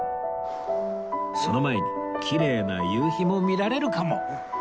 その前にきれいな夕日も見られるかも